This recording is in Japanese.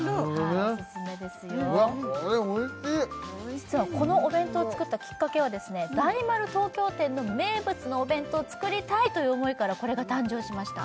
実はこのお弁当作ったきっかけは大丸東京店の名物のお弁当を作りたい！という思いからこれが誕生しました